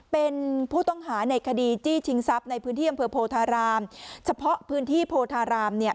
เป็นผู้ต้องหาในคดีจี้ชิงทรัพย์ในพื้นที่อำเภอโพธารามเฉพาะพื้นที่โพธารามเนี่ย